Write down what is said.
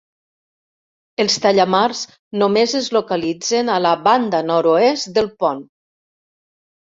Els tallamars només es localitzen a la banda nord-oest del pont.